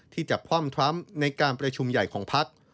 ที่จะคว่ำทรัมป์ในการประชุมใหญ่ของพัก